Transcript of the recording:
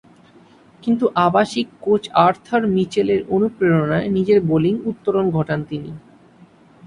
কিন্তু আবাসিক coach Arthur মিচেলের অনুপ্রেরণায় নিজের বোলিং উত্তরণ ঘটান তিনি।